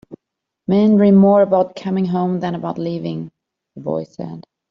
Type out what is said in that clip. "Men dream more about coming home than about leaving," the boy said.